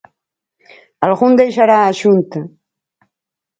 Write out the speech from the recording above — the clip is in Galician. Algún deixará a xunta.